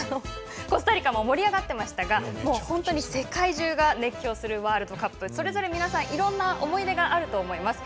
コスタリカも盛り上がってましたが世界中が熱狂するワールドカップそれぞれ皆さん、いろいろと思い出があると思います。